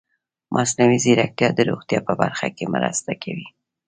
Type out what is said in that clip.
مصنوعي ځیرکتیا د روغتیا په برخه کې مرسته کوي.